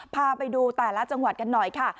พาไปดูแต่ละจังหวัดกันหน่อยค่ะ